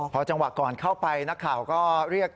พอจังหวะก่อนเข้าไปนักข่าวก็เรียก